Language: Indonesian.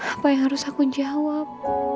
apa yang harus aku jawab